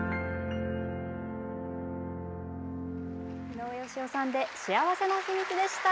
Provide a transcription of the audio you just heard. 井上芳雄さんで「幸せの秘密」でした。